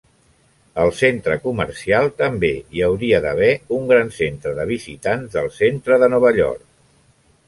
Al centre comercial també hi hauria d'haver un gran Centre de Visitants del centre de Nova York.